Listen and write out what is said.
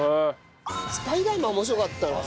『スパイダーマン』面白かったな。